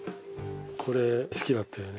これ好きだったよね。